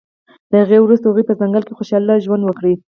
له هغې وروسته هغوی په ځنګل کې خوشحاله ژوند وکړ